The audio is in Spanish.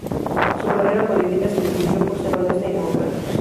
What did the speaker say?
Su carrera política se distinguió por ser honesta y democrática.